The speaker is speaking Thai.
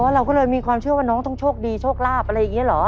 เราก็เลยมีความเชื่อว่าน้องต้องโชคดีโชคลาภอะไรอย่างนี้เหรอ